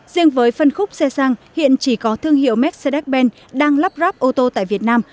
riêng với phân khúc xe sang hiện chỉ có thương hiệu mercedes benz đang lắp ráp ô tô tại việt nam